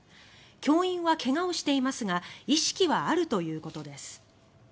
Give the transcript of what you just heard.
教員は怪我をしていますが意識はあるということです。